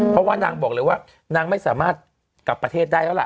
เพราะว่านางบอกเลยว่านางไม่สามารถกลับประเทศได้แล้วล่ะ